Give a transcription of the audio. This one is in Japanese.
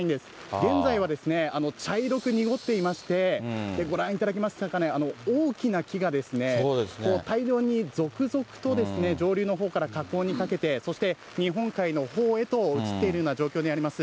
現在は茶色く濁っていまして、ご覧いただけますかね、大きな木が、大量に続々と上流のほうから河口にかけて、そして日本海のほうへと移っているような状況になります。